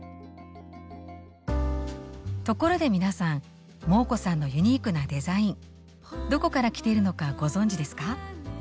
ところで皆さんモー子さんのユニークなデザインどこからきているのかご存じですか？